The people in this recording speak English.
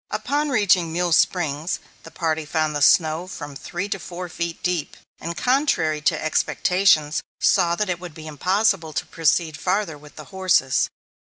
Upon reaching Mule Springs, the party found the snow from three to four feet deep, and, contrary to expectations, saw that it would be impossible to proceed farther with the horses.